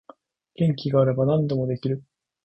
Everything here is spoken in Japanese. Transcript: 元気があれば何でもできる